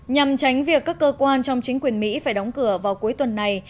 nhằm tránh việc các cơ quan trong chính quyền mỹ phải đóng cửa vào cuối tuần này